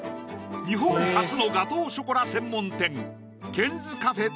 日本初のガトーショコラ専門店ケンズカフェ